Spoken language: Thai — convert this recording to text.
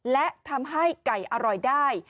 และทำให้ไก่อร่อยได้